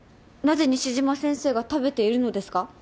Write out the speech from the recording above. なぜ西島先生が食べているのですか？